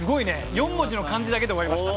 ４文字の漢字だけで終わりました。